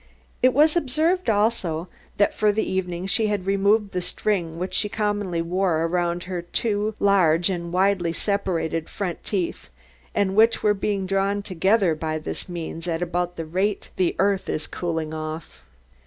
It was observed, also, that for the evening she had removed the string which she commonly wore around her two large and widely separated front teeth, and which were being drawn together by this means at about the rate the earth is cooling off.